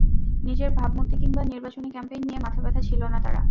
নিজের ভাবমূর্তি কিংবা নির্বাচনী ক্যাম্পেইন নিয়ে মাথাব্যথা ছিল না তাড়া।